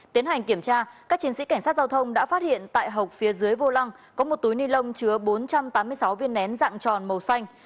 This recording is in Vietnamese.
tiến hành kiểm tra các chiến sĩ cảnh sát giao thông đã phát hiện tại hộp phía dưới vô lăng có một túi ni lông chứa bốn trăm tám mươi sáu viên nén dạng tròn màu xanh